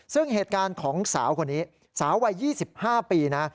ซึ่งเหตุการณ์ของสาวคนนี้สาววัย๒๕ปีนะ